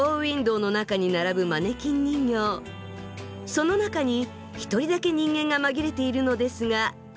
その中に一人だけ人間が紛れているのですが分かりますか？